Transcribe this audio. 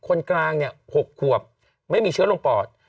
คนกลางเนี่ย๖ขวบไม่มีเชื้อลงปอด